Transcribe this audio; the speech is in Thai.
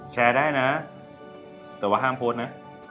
แชร์ได้นะแต่ว่าห้ามโพสต์นะ